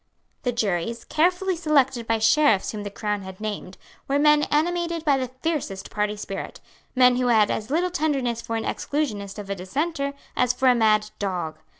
The juries, carefully selected by Sheriffs whom the Crown had named, were men animated by the fiercest party spirit, men who had as little tenderness for an Exclusionist of a Dissenter as for a mad dog.